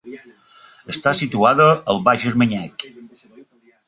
Està situada al baix Armanyac.